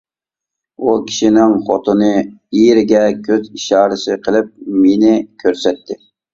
بۇ كىشىنىڭ خوتۇنى ئېرىگە كۆز ئىشارىسى قىلىپ مېنى كۆرسەتتى.